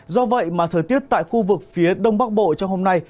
do vậy mà thời tiết tại khu vực phía đông bắc bộ trong hôm nay